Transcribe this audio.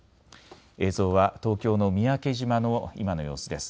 映像は東京の三宅島の今の様子です。